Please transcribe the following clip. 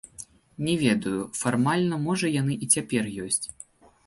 Не ведаю, фармальна можа яны і цяпер ёсць.